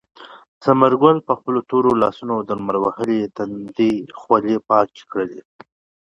ثمر ګل په خپلو تورو لاسونو د لمر وهلي تندي خولې پاکې کړې.